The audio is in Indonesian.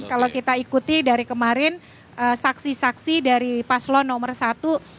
kalau kita ikuti dari kemarin saksi saksi dari paslon nomor satu